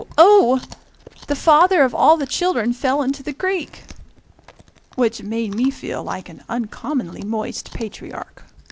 oh! The father of all the children fell into the creek!" which made me feel like an uncommonly moist patriarch.